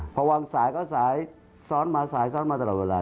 พอวางสายก็สายซ้อนมาสายซ้อนมาตลอดเวลา